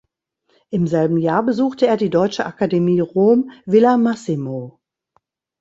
Im selben Jahr besuchte er die Deutsche Akademie Rom Villa Massimo.